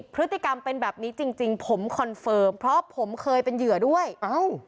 พฤติกรรมเป็นแบบนี้จริงจริงผมคอนเฟิร์มเพราะผมเคยเป็นเหยื่อด้วยเอ้า